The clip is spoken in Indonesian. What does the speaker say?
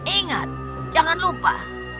ingat jangan lupa